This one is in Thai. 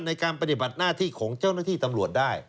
ในการปฏิบัติหน้าที่ของเจ้าหน้าที่ตำรวจได้